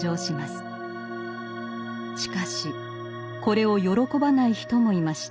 しかしこれを喜ばない人もいました。